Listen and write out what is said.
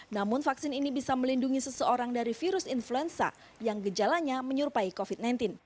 namun vaksin ini bisa melindungi seseorang dari virus influenza yang gejalanya menyerupai covid sembilan belas